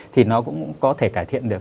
thì nó cũng có thể cải thiện được